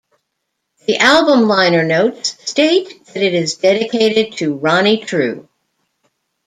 The album liner notes state that it is dedicated to Ronnie True.